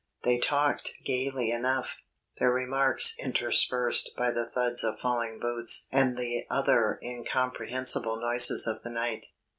They talked gaily enough, their remarks interspersed by the thuds of falling boots and the other incomprehensible noises of the night.